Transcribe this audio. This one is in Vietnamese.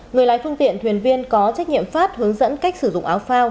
người lái phương tiện thuyền viên có trách nhiệm phát hướng dẫn cách sử dụng áo phao